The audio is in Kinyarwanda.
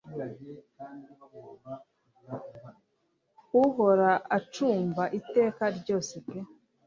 uhora ucumba iteka ryose pee